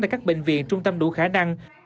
để các bệnh viện trung tâm đủ khả năng